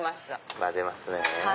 混ぜますね。